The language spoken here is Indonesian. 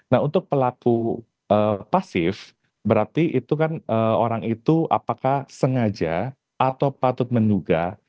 nah untuk pelaku pasif berarti itu kan orang itu apakah sengaja atau patut menduga